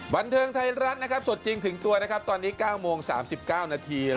บันเทิงไทยรัฐนะครับสดจริงถึงตัวนะครับตอนนี้๙โมง๓๙นาที